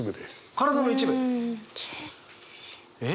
体の一部か。